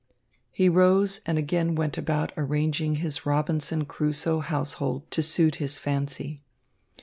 He rose and again went about arranging his Robinson Crusoe household to suit his fancy.